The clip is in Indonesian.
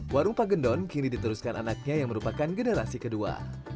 warung pak gendon kini diteruskan anaknya yang merupakan generasi kedua